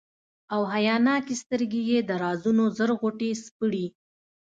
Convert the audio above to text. او حیاناکي سترګي یې د رازونو زر غوټي سپړي،